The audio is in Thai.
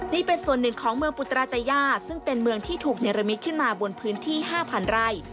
นี่เป็นส่วนหนึ่งของเมืองอุตราจายาซึ่งเป็นเมืองที่ถูกเนรมิตขึ้นมาบนพื้นที่๕๐๐ไร่